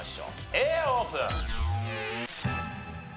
Ａオープン！